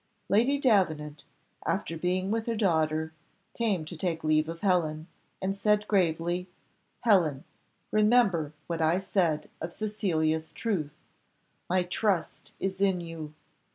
Lady Davenant, after being with her daughter, came to take leave of Helen, and said gravely, "Helen! remember what I said of Cecilia's truth, my trust is in you.